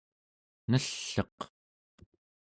nell'eq